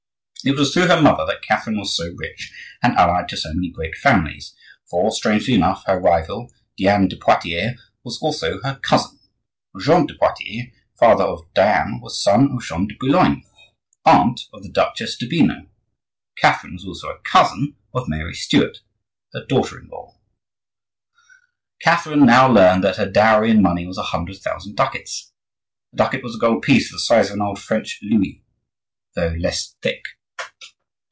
It was through her mother that Catherine was so rich and allied to so many great families; for, strangely enough, her rival, Diane de Poitiers, was also her cousin. Jean de Poitiers, father of Diane, was son of Jeanne de Boulogne, aunt of the Duchess d'Urbino. Catherine was also a cousin of Mary Stuart, her daughter in law. Catherine now learned that her dowry in money was a hundred thousand ducats. A ducat was a gold piece of the size of an old French louis, though less thick.